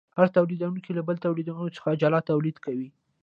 هر تولیدونکی له بل تولیدونکي څخه جلا تولید کوي